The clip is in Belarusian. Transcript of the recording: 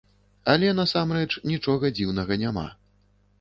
Але насамрэч нічога дзіўнага няма.